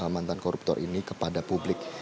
mantan koruptor ini kepada publik